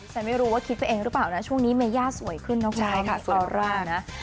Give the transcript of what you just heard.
ฉันไม่รู้ว่าคิดไปเองหรือเปล่านะช่วงนี้เมย่าสวยขึ้นนะคุณค่ะซอร่านะ